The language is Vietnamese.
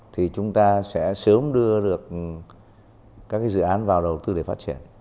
thì chúng ta sẽ sớm đưa được các dự án vào đầu tư để phát triển